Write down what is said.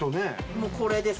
もうこれです。